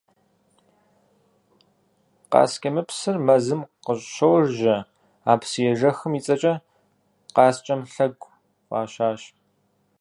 Къаскӏэмыпсыр мэзым къыщожьэ, а псыежэхым и цӏэкӏэ «Къаскӏэм лъэгу» фӏащащ.